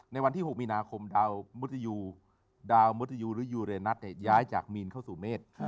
ในวันที่๖มีนาคมดาวมุธยูหรือยูเรนัทย้ายจากมีนเข้าสู่เมษ